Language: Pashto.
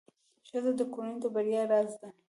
ښځه د کورنۍ د بریا راز ده.